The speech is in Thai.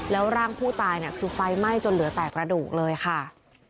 แล้วร่างผู้ตายคือไฟไหม้จนเหลือแต่กระดูกเลยค่ะ